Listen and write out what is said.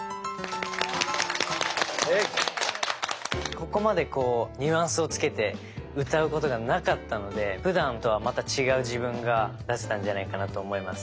ここまでニュアンスをつけて歌うことがなかったのでふだんとはまた違う自分が出せたんじゃないかなと思います。